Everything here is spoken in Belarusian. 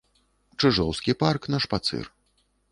Чыжоўскі парк на шпацыр.